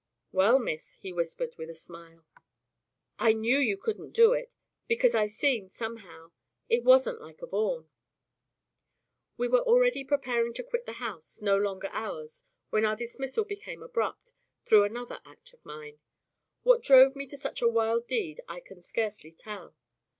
"Well, miss," he whispered, with a smile, "I knew you couldn't do it, because I seemed, somehow, it wasn't like a Vaughan." We were already preparing to quit the house, no longer ours, when our dismissal became abrupt, through another act of mine. What drove me to such a wild deed I can scarcely tell.